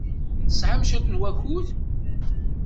Tesɛam cwiṭ n wakud?